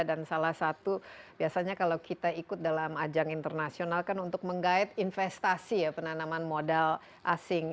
dan salah satu biasanya kalau kita ikut dalam ajang internasional kan untuk meng guide investasi ya penanaman modal asing